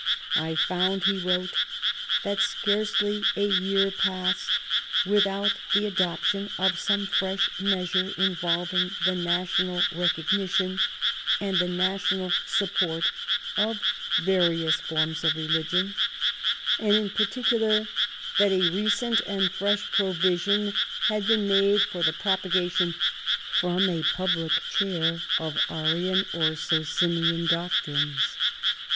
" I found," he wrote, " that scarcely a year passed without the adoption of some fresh measure involv ing the national recognition and the national sup port of various forms of religion, and in particular that a recent and fresh provision had been made for the propagation from a public chair of Arian or Sociniah doctrines.